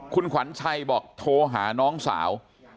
คุณขวัญชัยบอกโทรหาน้องสาว